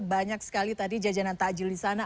banyak sekali tadi jajanan tajil disana